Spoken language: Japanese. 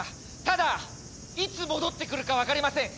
ただいつ戻ってくるか分かりません。